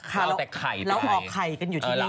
เราเอาแต่ไข่ไปเราออกไข่กันอยู่ที่นี่